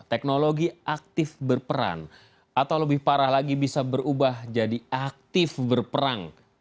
teknologi aktif berperan atau lebih parah lagi bisa berubah jadi aktif berperang